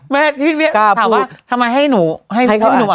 แม่ที่พี่ถามว่าทำไมให้หนูให้พี่หนูอ่ะ